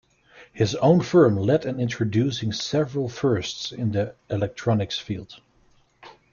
His own firm led in introducing several firsts in the electronics field.